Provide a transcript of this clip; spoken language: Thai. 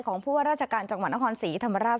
ผู้ว่าราชการจังหวัดนครศรีธรรมราช